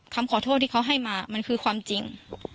คำขอโทษที่เขาให้มามันคือความจริง